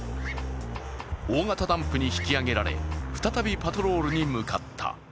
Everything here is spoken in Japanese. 大型ダンプに引き上げられ再びパトロールに向かった。